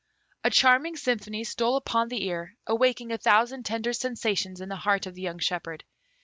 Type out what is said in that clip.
A charming symphony stole upon the ear, awaking a thousand tender sensations in the heart of the young shepherd.